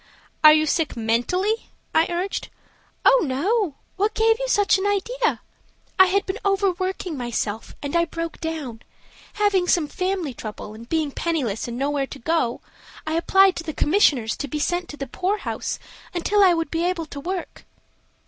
"Are you sick mentally?" I urged. "Oh, no; what gave you such an idea? I had been overworking myself, and I broke down. Having some family trouble, and being penniless and nowhere to go, I applied to the commissioners to be sent to the poorhouse until I would be able to go to work."